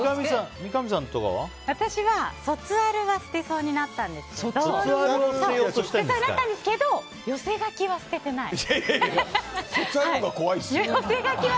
私は卒アルは捨てそうになったんですけど寄せ書きは捨ててない。